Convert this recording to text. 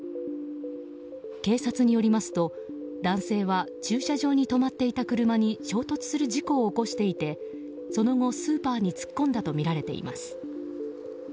警察によりますと男性は駐車場に止まっていた車に衝突する事故を起こしていてその後、スーパーに突っ込んだとみられています。